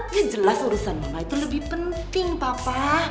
ini jelas urusan mama itu lebih penting papa